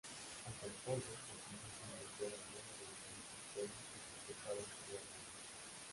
Hasta entonces continuó sin volver al modo de vivir cristiano que profesaba anteriormente.